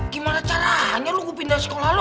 gimana caranya luku pindah sekolah lo